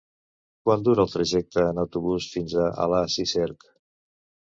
Quant dura el trajecte en autobús fins a Alàs i Cerc?